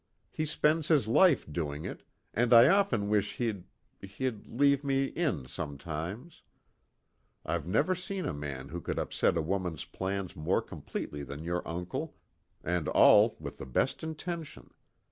He spends his life doing it, and I often wish he'd he'd leave me 'in' sometimes. I've never seen a man who could upset a woman's plans more completely than your uncle, and all with the best intention.